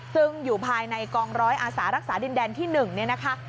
ซึ่งอยู่ภายในกองร้อยอาสารักษาดินแดนที่๑เนี่ยนะคะ